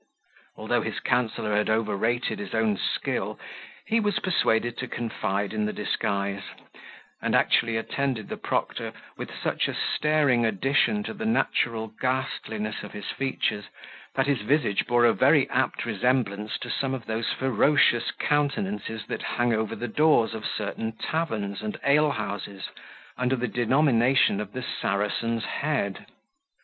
Although his counsellor had overrated his own skill, he was persuaded to confide in the disguise, and actually attended the proctor, with such a staring addition to the natural ghastliness of his features, that his visage bore a very apt resemblance to some of those ferocious countenances that hang over the doors of certain taverns and ale houses, under the denomination of the Saracen's head.